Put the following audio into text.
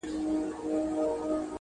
هم ئې پر مخ وهي، هم ئې پر نال وهي.